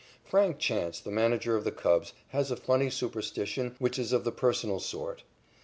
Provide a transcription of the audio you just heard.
Frank Chance, the manager of the Cubs, has a funny superstition which is of the personal sort.